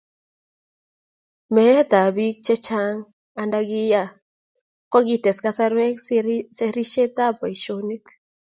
meetab biik che chang' anda ki yaa, ko kites kasarweka serisietab boisionik